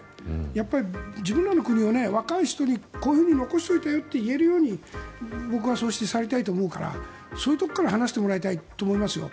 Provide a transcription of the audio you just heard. やっぱり自分らの国を若い人にこういうふうに残しておいたよと言えるように僕は、そうされたいと思うからそういうところから話してもらいたいと思いますよ